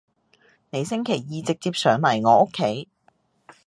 你星期二直接上嚟我屋企